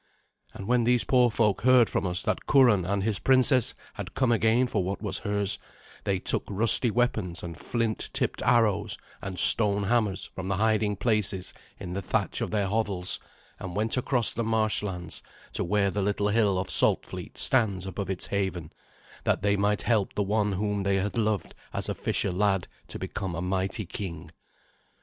And when these poor folk heard from us that Curan and his princess had come again for what was hers, they took rusty weapons and flint tipped arrows and stone hammers from the hiding places in the thatch of their hovels, and went across the marshlands to where the little hill of Saltfleet stands above its haven, that they might help the one whom they had loved as a fisher lad to become a mighty king.